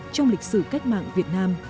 trong lịch sử cách mạng việt nam